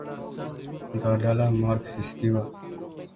دا ډله مارکسیستي وه.